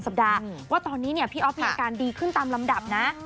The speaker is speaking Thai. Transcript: สัปดาห์ว่าตอนนี้เนี่ยพี่อ๊อฟมีอาการดีขึ้นตามลำดับนะ